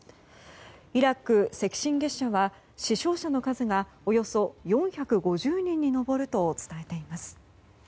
イラク赤新月社は死傷者の数がおよそ４５０人に上ると伝えています。